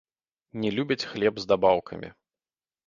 Не любяць хлеб з дабаўкамі.